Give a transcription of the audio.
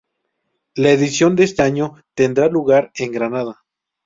La edición de este año tendrá lugar en Granada